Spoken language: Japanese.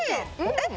えっ？